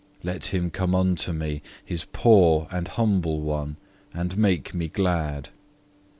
Let Him come unto me, His poor and humble one, and make me glad.